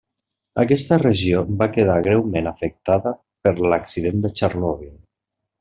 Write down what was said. Aquesta regió va quedar greument afectada per l'Accident de Txernòbil.